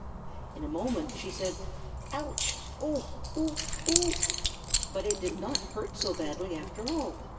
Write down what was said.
In a moment she said: "Ouch! Oo oo oo!" But it did not hurt so badly, after all.